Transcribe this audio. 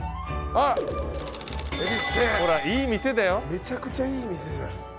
めちゃくちゃいい店じゃん。